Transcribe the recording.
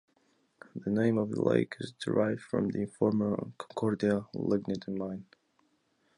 The name of the lake is derived from the former "Concordia lignite mine".